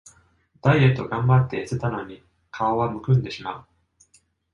ダイエットがんばってやせたのに顔はむくんでしまう